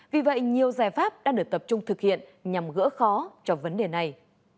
vì vậy nhiều giải pháp đã được tập trung thực hiện nhằm gỡ khó cho vấn đề này